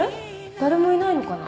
誰もいないのかな？